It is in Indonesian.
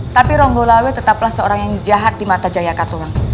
tapi ronggolawe tetaplah seorang yang jahat di mata jaya katulang